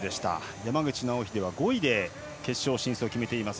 山口尚秀は５位で決勝進出を決めています。